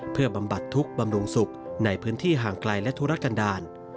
เพื่อบำบัดทุกข์บำรุงสุขในพื้นที่ห่างไกลและธุรกันดาล